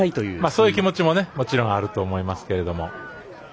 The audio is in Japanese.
そういう気持ちももちろんあると思いますけど。